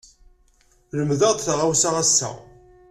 Lemdeɣ-d taɣawsa ass-a.